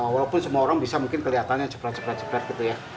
walaupun semua orang bisa mungkin kelihatannya cepat cepat gitu ya